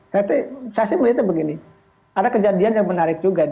saya sih melihatnya begitu